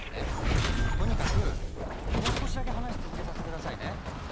とにかくもう少しだけ話続けさせて下さいね。